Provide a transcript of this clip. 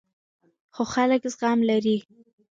خو خلک زغم لري.